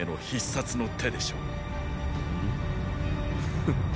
フッ。